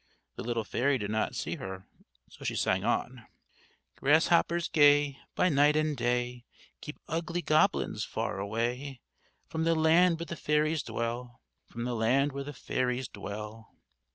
The little fairy did not see her, so she sang on: "_Grasshoppers gay, by night and day, Keep ugly goblins far away From the land where the fairies dwell, From the land where the fairies dwell_."